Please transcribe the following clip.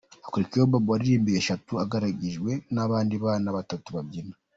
Yakurikiwe na Babo waririmbye eshatu agaragiwe n’abandi bana batatu babyina.